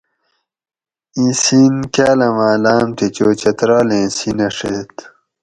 ایں سین کاۤلماں لاۤم تھی چو چترالیں سینہ ڛیت